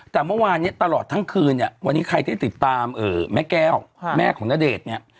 แต่เมื่อวานเนี่ยตลอดทั้งคืนเนี่ยวันนี้ใครที่ติดตามแม่แก้วแม่ของณเดชน์เนี่ย